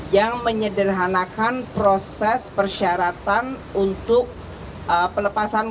yang menyederhanakan proses persyaratan untuk pelepasan